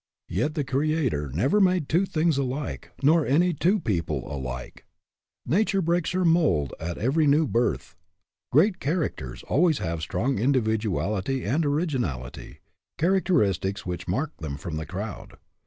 Yet the Creator never made two things alike, nor any two people alike. Nature breaks her mold at every new birth. Great characters always have strong individuality and originality, characteristics which mark them from the crowd.